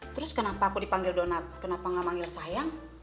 terus kenapa aku dipanggil donat kenapa nggak manggil sayang